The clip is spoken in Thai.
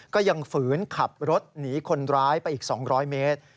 ฝืนขับรถหนีคนร้ายไปอีก๒๐๐เมตร